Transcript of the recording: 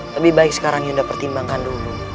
lebih baik sekarang yuda pertimbangkan dulu